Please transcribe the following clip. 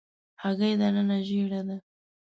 هګۍ دننه ژېړه ده.